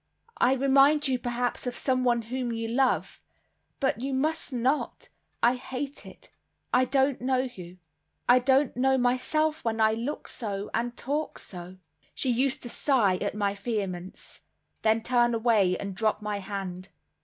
I remind you perhaps of someone whom you love; but you must not, I hate it; I don't know you—I don't know myself when you look so and talk so." She used to sigh at my vehemence, then turn away and drop my hand.